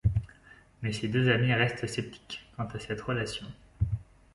Mais ses deux amies restent sceptiques quant à cette relation.